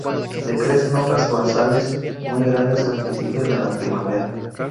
Le crecen hojas basales muy grandes a principios de la primavera.